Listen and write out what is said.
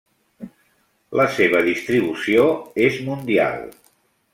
La seva distribució és mundial.